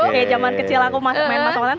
kayak zaman kecil aku main masakan masakan